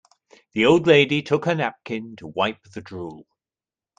The old lady took her napkin to wipe the drool.